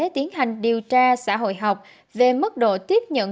tiến hành điều tra xã hội học về mức độ tiếp nhận